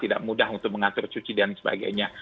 tidak mudah untuk mengatur cuci dan sebagainya